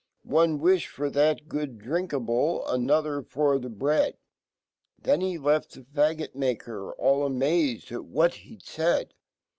One wilhfof that gooddrinkabl ^another f^r the bread." Then he left fhefaggot maker all amazed atwhat he'dfaid.